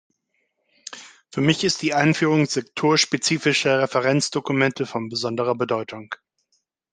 Für mich ist die Einführung sektorspezifischer Referenzdokumente von besonderer Bedeutung.